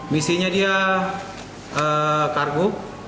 misinya dia kargo